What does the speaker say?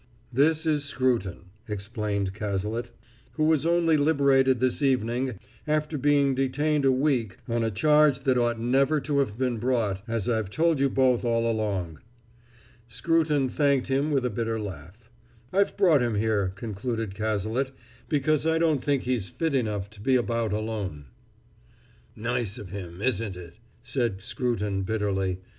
"] "This is Scruton," explained Cazalet, "who was only liberated this evening after being detained a week on a charge that ought never to have been brought, as I've told you both all along." Scruton thanked him with a bitter laugh. "I've brought him here," concluded Cazalet, "because I don't think he's fit enough to be about alone." "Nice of him, isn't it?" said Scruton bitterly.